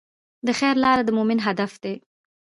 د خیر لاره د مؤمن هدف دی.